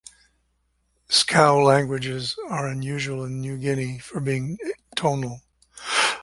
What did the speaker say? Skou languages are unusual in New Guinea for being tonal.